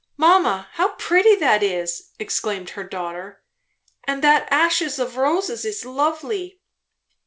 "Mamma! how pretty that is!" exclaimed her daughter; "and that ashes of roses is lovely!"